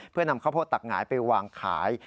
เพื่อนำข้าวโพดตักหงายไปวางขาย